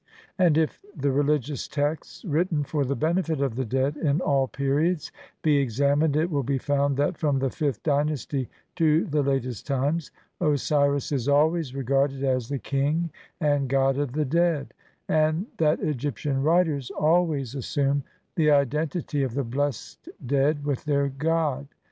And if the religious texts written for the benefit of the dead in all periods be examined it will be found that from the fifth dynasty to the latest times Osiris is always regarded as the king and god of the dead, and that Egyptian writers always assume the identity of the blessed dead with their god.